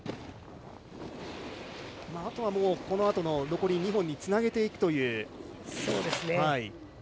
あとはこのあとの残り２本につなげていくという。